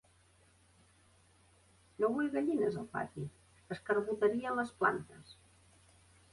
No vull gallines, al pati: escarbotarien les plantes.